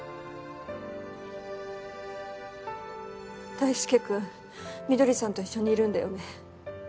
大輔君翠さんと一緒にいるんだよね。